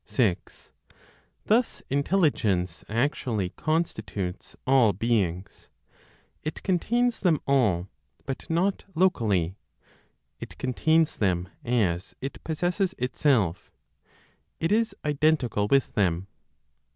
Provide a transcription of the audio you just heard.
6. Thus Intelligence actually constitutes all beings; it contains them all, but not locally; it contains them as it possesses itself; it is identical with them.